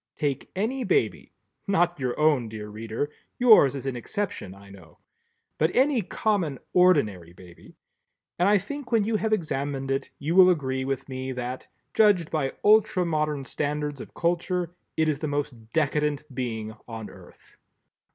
Take any baby—not your own, dear reader, yours is an exception I know, but any common ordinary baby—and I think when you have examined it you will agree with me that, judged by ultra modern standards of culture, it is the most decadent being on earth.